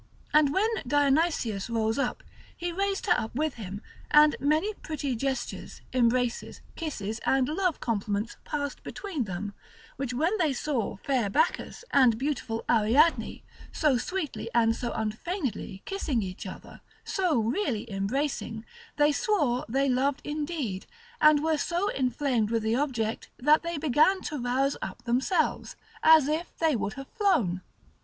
And when Dionysius rose up, he raised her up with him, and many pretty gestures, embraces, kisses, and love compliments passed between them: which when they saw fair Bacchus and beautiful Ariadne so sweetly and so unfeignedly kissing each other, so really embracing, they swore they loved indeed, and were so inflamed with the object, that they began to rouse up themselves, as if they would have flown.